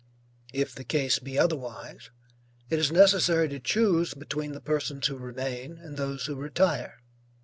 If the case be otherwise, it is necessary to choose between the persons who remain and those who retire.